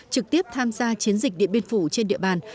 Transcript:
trực tiếp tham gia chiến dịch điện biên phủ trên địa bàn